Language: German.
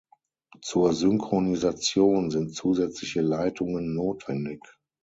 Zur Synchronisation sind zusätzliche Leitungen notwendig.